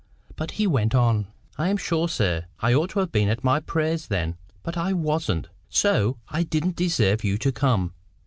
But he went on: "I am sure, sir, I ought to have been at my prayers, then, but I wasn't; so I didn't deserve you to come.